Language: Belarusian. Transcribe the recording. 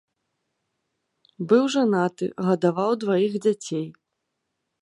Быў жанаты, гадаваў дваіх дзяцей.